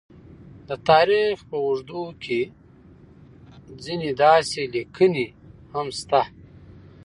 د تاریخ په اوږدو کې ځینې داسې لیکنې هم شته،